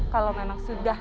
kalau memang sudah